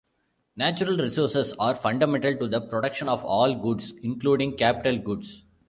Natural resources are fundamental to the production of all goods, including capital goods.